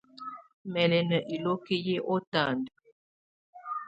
Mɛ́ lɛ́ ná iloki yɛ́ ɔtanda.